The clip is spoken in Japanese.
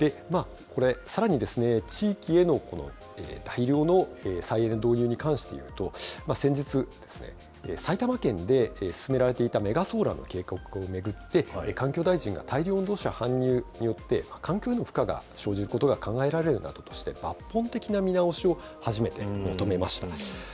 これ、さらにですね、地域への大量の再エネ導入に関していうと、先日ですね、埼玉県で進められていたメガソーラーの計画を巡って、環境大臣が、大量の土砂搬入によって、環境への負荷が生じることが考えられるなどとして、抜本的な見直しを初めて求めました。